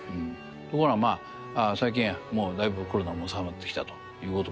ところがまあ最近もうだいぶコロナも収まってきたという事もあってでしょうけどね